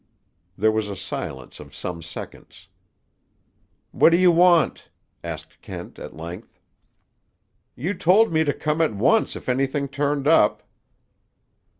There was a silence of some seconds. "What do you want?" asked Kent at length. "You told me to come at once if anything turned up."